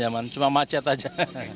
ya cuma macet aja